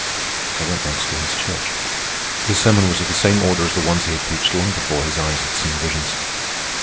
I went once to his church. The sermon was of the same order as the ones he had preached long before his eyes had seen visions.